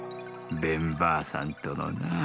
ベンばあさんとのな。